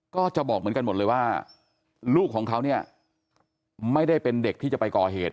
ก็จะบอกเหมือนกันหมดเลยว่าลูกของเขาเนี่ยไม่ได้เป็นเด็กที่จะไปก่อเหตุ